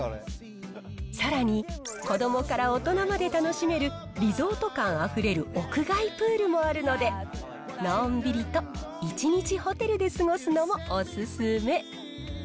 さらに、子どもから大人まで楽しめる、リゾート感あふれる屋外プールもあるので、のんびりと一日ホテルで過ごすのもお勧め。